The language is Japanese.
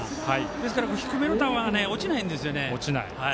ですから低めの球落ちないんですよね。